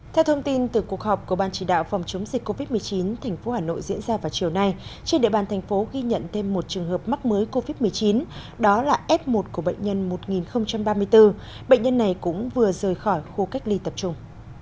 theo thông tin từ cuộc họp của ban chỉ đạo phòng chống dịch covid một mươi chín tp hà nội diễn ra vào chiều nay trên địa bàn thành phố ghi nhận thêm một trường hợp mắc mới covid một mươi chín đó là f một của bệnh nhân một nghìn ba mươi bốn bệnh nhân này cũng vừa rời khỏi khu cách ly tập trung